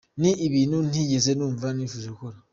Ni ibintu ntigeze numva nifuje gukora.